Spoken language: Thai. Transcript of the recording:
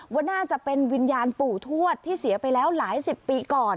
ว่าน่าจะเป็นวิญญาณปู่ทวดที่เสียไปแล้วหลายสิบปีก่อน